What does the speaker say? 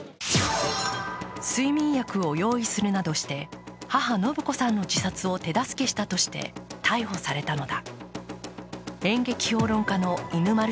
睡眠薬を用意するなどして母・延子さんの自殺を手助けしたとして逮捕されたのだ。